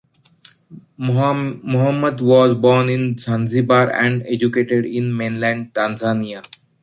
Mohamed was born in Zanzibar and educated in mainland Tanzania.